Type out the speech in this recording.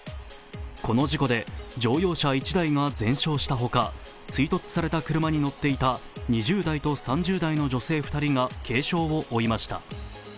この事故で乗用車１台が全焼したほか、追突された車に乗っていた２０代と３０代の女性人が軽傷を負いました。